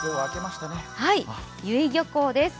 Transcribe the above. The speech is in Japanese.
由比漁港です。